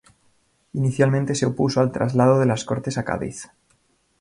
Inicialmente se opuso al traslado de las Cortes a Cádiz.